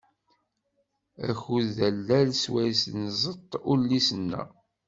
Akud d allal swayes nzeṭṭ ullis-nneɣ.